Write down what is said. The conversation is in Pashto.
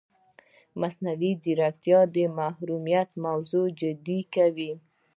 مصنوعي ځیرکتیا د محرمیت موضوع جدي کوي.